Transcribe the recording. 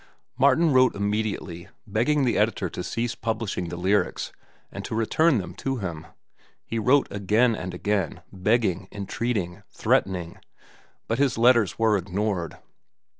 Martin wrote immediately, begging the editor to cease publishing the lyrics and to return them to him. He wrote again and again, begging, entreating, threatening, but his letters were ignored.